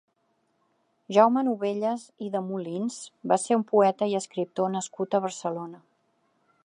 Jaume Novellas i de Molins va ser un poeta i escriptor nascut a Barcelona.